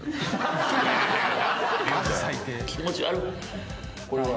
気持ち悪い。